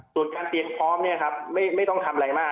ส่วนการเตรียมพร้อมไม่ต้องทำอะไรมาก